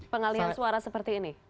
pengalian suara seperti ini